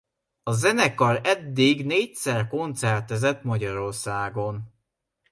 A zenekar eddig négyszer koncertezett Magyarországon.